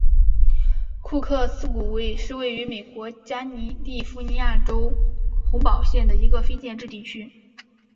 库克斯谷是位于美国加利福尼亚州洪堡县的一个非建制地区。